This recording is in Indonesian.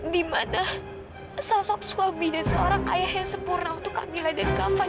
dimana sosok suami dan seorang ayah yang sempurna untuk kak mila dan kavan